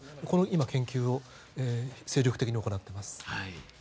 この研究を精力的に行っています。